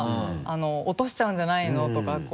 落としちゃうんじゃないの？とか。